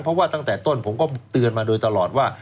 เพราะว่าตั้งแต่ต้นผมก็เตือนมาโดยตลอดว่า